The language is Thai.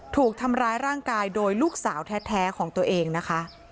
ถูกทำร้ายร่างกายโดยลูกสาวแท้ของตัวเองนะคะ